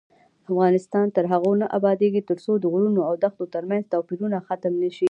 افغانستان تر هغو نه ابادیږي، ترڅو د غرونو او دښتو ترمنځ توپیرونه ختم نشي.